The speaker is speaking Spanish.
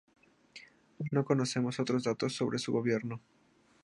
No conocemos otros datos sobre su gobierno.